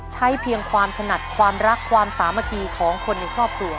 เพียงความถนัดความรักความสามัคคีของคนในครอบครัว